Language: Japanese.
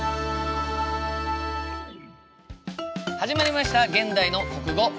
始まりました「現代の国語」。